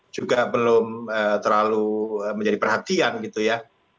juga belum terlalu menjadi perhatian gitu ya